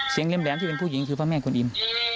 เสียงแหลมที่เป็นผู้หญิงคือพระแม่กวนอิม